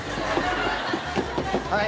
はい！